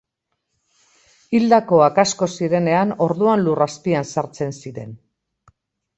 Hildakoak asko zirenean orduan lur azpian sartzen ziren.